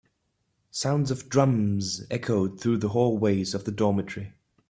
Sounds of drums echoed through the hallways of the dormitory.